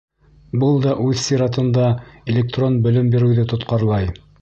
Был да үҙ сиратында электрон белем биреүҙе тотҡарлай.